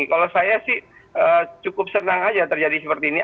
kalau saya sih cukup senang aja terjadi seperti ini